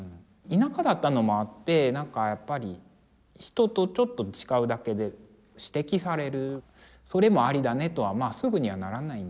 田舎だったのもあってなんかやっぱり人とちょっと違うだけで指摘されるそれもありだねとはまあすぐにはならないんですよ。